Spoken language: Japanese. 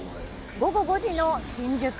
午後５時の新宿。